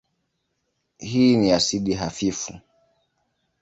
Hii ni asidi hafifu.